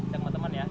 sama temen ya